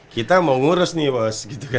kita mau ngurus nih bos gitu kan